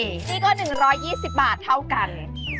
นี่ก็๑๒๐บาทเท่ากัน